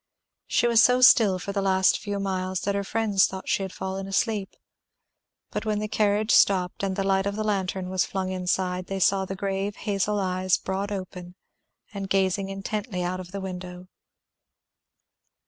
She was so still for the last few miles that her friends thought she had fallen asleep; but when the carriage stopped and the light of the lantern was flung inside, they saw the grave hazel eyes broad open and gazing intently out of the window.